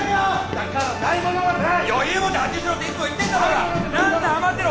だからないものはない余裕もって発注しろっていつも言ってんだろうが蘭菜余ってる